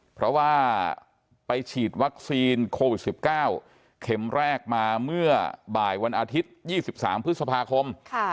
เพราะว่าไปฉีดวัคซีนโควิด๑๙เข็มแรกมาเมื่อบ่ายวันอาทิตย์๒๓พฤษภาคม